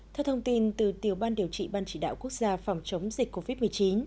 theo thông tin từ tiểu ban điều trị ban chỉ đạo quốc gia phòng chống dịch covid một mươi chín